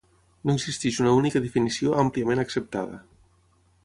No existeix una única definició àmpliament acceptada.